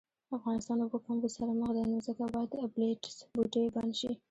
افغانستان اوبو کمبود سره مخ دي نو ځکه باید ابلیټس بوټی بند شي